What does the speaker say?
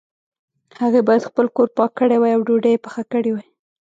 هغې باید خپل کور پاک کړی وای او ډوډۍ یې پخې کړي وای